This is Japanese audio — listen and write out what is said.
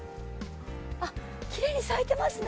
きれいに咲いてますね。